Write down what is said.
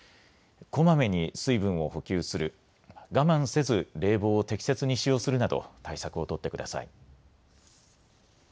こまめに水分を補給する我慢せず冷房を適切に使用するなど対策を取ってください。